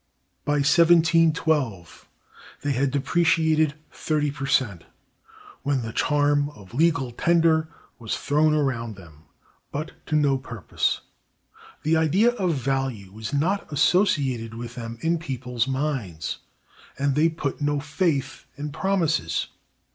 By 1712 they had depreciated thirty per cent, when the charm of legal tender was thrown around them, but to no purpose. The idea of value was not associated with them in people's minds, and they put no faith in promises.